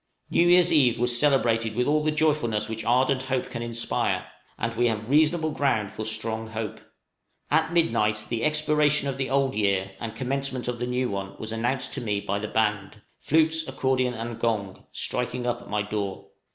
New year's eve was celebrated with all the joyfulness which ardent hope can inspire: and we have reasonable ground for strong hope. At midnight the expiration of the old year and commencement of the new one was announced to me by the band flutes, accordion, and gong striking up at my door.